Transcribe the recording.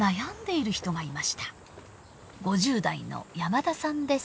５０代の山田さんです。